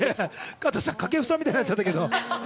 加藤さん、掛布さんみたいになっちゃったけど。